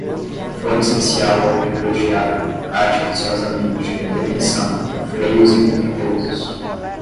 foro especial ou privilegiado, artificiosamente, detenção, freios e contrapesos